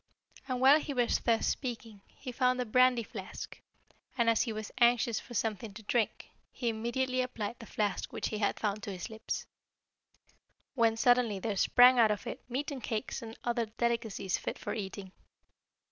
And while he was thus speaking, he found a brandy flask, and as he was anxious for something to drink, he immediately applied the flask which he had found to his lips; when suddenly there sprang out of it meat and cakes and other delicacies fit for eating.